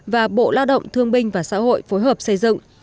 và bộ lao động thương binh và xã hội phối hợp xây dựng